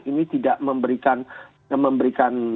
ini tidak memberikan